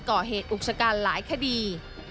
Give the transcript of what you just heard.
ก่อเหตุอุกชกันหลายคดี